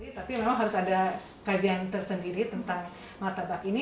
tapi memang harus ada kajian tersendiri tentang martabak ini